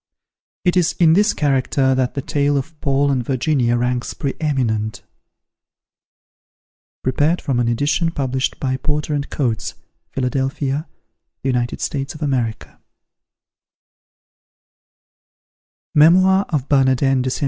It is in this character that the Tale of "Paul and Virginia" ranks pre eminent. [Prepared from an edition published by Porter & Coates, Philadelphia, U.S.A.] MEMOIR OF BERNARDIN DE ST.